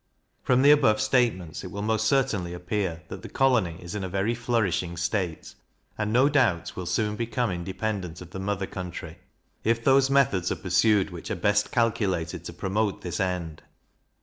From the above statements it will most certainly appear, that the colony is in a very flourishing state, and, no doubt, will soon become independent of the mother country, if those methods are pursued which are best calculated to promote this end.